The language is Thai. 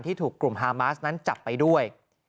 ถูกกลุ่มฮามาสนั้นจับไปด้วย